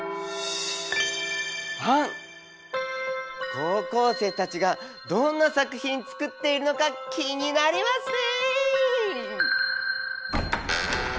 高校生たちがどんな作品作っているのか気になりますね！